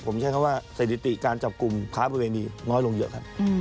ผมใช้คำว่าสถิติการจับกลุ่มค้าประเวณีน้อยลงเยอะครับ